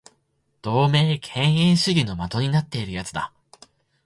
同盟敬遠主義の的になっている奴だ